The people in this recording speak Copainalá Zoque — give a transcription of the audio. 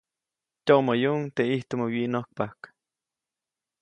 Tyoʼmäyuʼuŋ teʼ ʼijtumä wyiʼnojkpajk.